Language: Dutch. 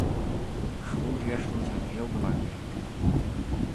Grondrechten zijn heel belangrijk.